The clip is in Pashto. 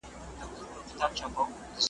د ژوند هره ساه د شکر ایسهمېشهو حق لري.